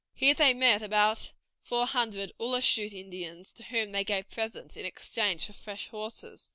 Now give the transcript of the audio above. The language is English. Here they met about four hundred Ootlashoot Indians, to whom they gave presents in exchange for fresh horses.